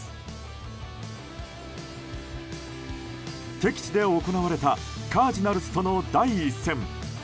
敵地で行われたカージナルスとの第１戦。